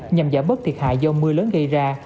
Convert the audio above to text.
nhằm giảm bớt thiệt hại do mưa lớn gây ra